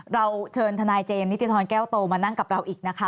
เราเชิญทนายเจมส์นิติธรแก้วโตมานั่งกับเราอีกนะคะ